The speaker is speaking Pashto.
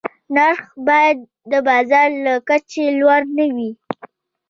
نرخ باید د بازار له کچې لوړ نه وي.